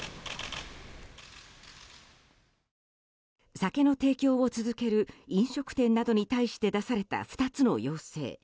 酒の提供を続ける飲食店などに対して出された２つの要請。